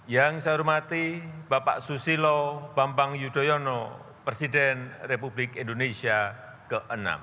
yang saya hormati bapak susilo bambang yudhoyono presiden republik indonesia ke enam